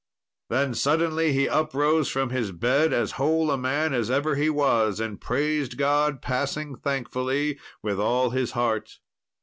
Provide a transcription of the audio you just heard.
Then suddenly he uprose from his bed as whole a man as ever he was, and praised God passing thankfully with all his heart.